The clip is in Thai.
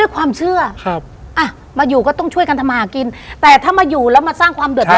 ความเชื่อครับอ่ะมาอยู่ก็ต้องช่วยกันทำมาหากินแต่ถ้ามาอยู่แล้วมาสร้างความเดือดเร็